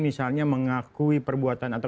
misalnya mengakui perbuatan atau